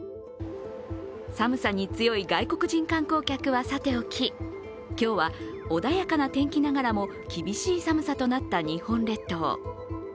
寒さに強い外国人観光客はさておき、今日は穏やかな天気ながらも厳しい寒さとなった日本列島。